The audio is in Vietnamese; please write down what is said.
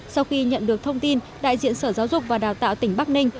sau khi nhận được thông tin đại diện sở giáo dục và đào tạo tỉnh bắc ninh